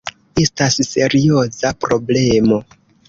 Estas serioza problemo.